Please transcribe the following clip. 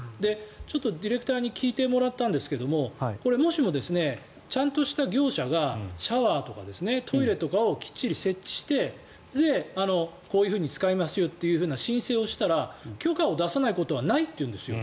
ちょっとディレクターに聞いてもらったんですがこれ、もしもちゃんとした業者がシャワーとかトイレとかをきっちり設置してこういうふうに使いますという申請をしたら許可を出さないことはないというんですよ。